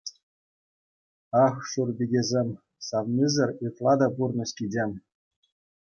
Ах, шур пикесем, савнисӗр ытла та пурнӑҫ кичем.